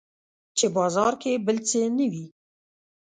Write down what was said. چې بازار کې بل څه نه وي